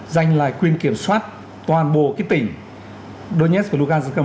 dành lại quyền kiểm soát toàn bộ cái tỉnh donetsk và lugansk